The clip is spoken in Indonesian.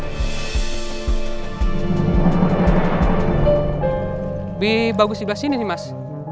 lebih bagus dibelah sini nih mas